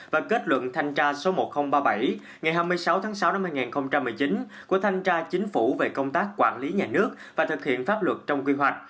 và kết luận thanh tra số một nghìn ba mươi bảy ngày hai mươi sáu tháng sáu năm hai nghìn một mươi chín của thanh tra chính phủ về công tác quản lý nhà nước và thực hiện pháp luật trong quy hoạch